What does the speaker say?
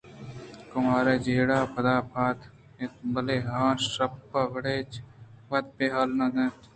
کمار ءُچاڑے پدا پاد اتک بلئے آ شپ ءِ وڑ ءَاچ وت بے حال نہ اِت اَنت